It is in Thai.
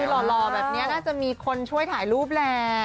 หล่อแบบนี้น่าจะมีคนช่วยถ่ายรูปแหละ